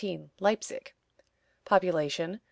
LEIPZIG. Population.